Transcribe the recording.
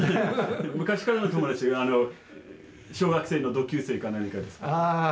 昔からの友達が小学生の同級生か何かですか？